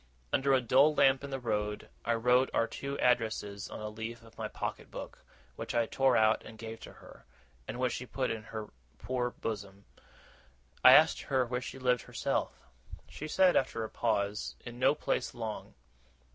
Under a dull lamp in the road, I wrote our two addresses on a leaf of my pocket book, which I tore out and gave to her, and which she put in her poor bosom. I asked her where she lived herself. She said, after a pause, in no place long.